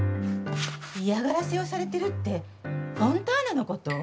嫌がらせをされてるってフォンターナのこと？